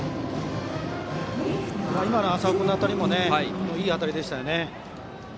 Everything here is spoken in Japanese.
今の朝生君の当たりもいい当たりでしたよね。